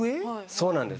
そうなんです。